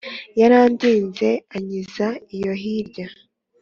yarandinze ankiza iyo hirya